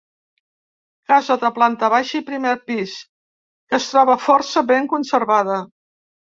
Casa de planta baixa i primer pis que es troba força ben conservada.